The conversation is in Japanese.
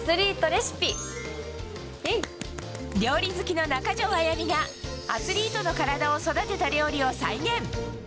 料理好きの中条あやみがアスリートの体を育てた料理を再現。